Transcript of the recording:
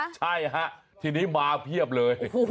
ใช่ฮะทีนี้มาเยอะเยี่ยมเลย